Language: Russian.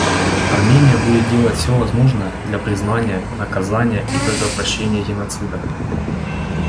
Армения будет делать все возможное для признания, наказания и предотвращения геноцида.